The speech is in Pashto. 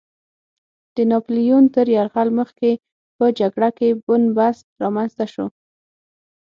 د ناپیلیون تر یرغل مخکې په جګړه کې بن بست رامنځته شو.